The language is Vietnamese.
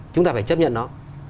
chúng ta phải chấp nhận nó